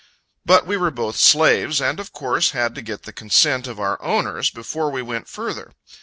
But we were both slaves, and of course had to get the consent of our owners, before we went further.